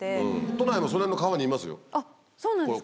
都内のその辺の川にいますよ